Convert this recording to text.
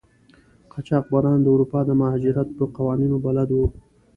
قاچاقبران د اروپا د مهاجرت په قوانینو بلد وو.